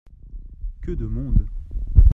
Que de monde !